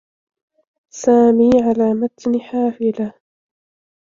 سامي على متن حافلة.